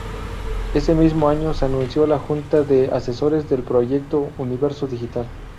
Ese mismo año se unió a la junta de asesores del "Proyecto" "Universo Digital.